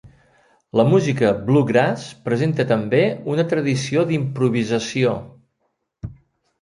La música Bluegrass presenta també una tradició d'improvisació.